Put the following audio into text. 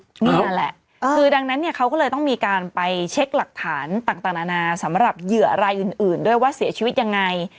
นี่แหละคือดังนั้นเนี่ยเขาก็เลยต้องมีการไปเช็คหลักฐานต่างนานาสำหรับเหยื่อรายอื่นด้วยว่าเสียชีวิตยังไง